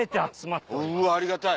うわありがたい。